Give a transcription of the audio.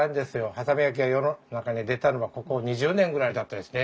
波佐見焼が世の中に出たのはここ２０年ぐらいだったですね。